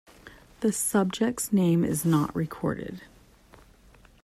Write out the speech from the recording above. The subject's name is not recorded.